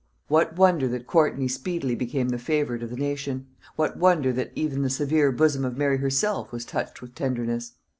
What wonder that Courtney speedily became the favorite of the nation! what wonder that even the severe bosom of Mary herself was touched with tenderness!